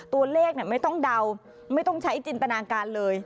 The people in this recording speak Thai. ตัวเลขไม่ต้องเดาไม่ต้องใช้จินตนาการเลย